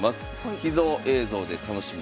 「秘蔵映像で楽しむ！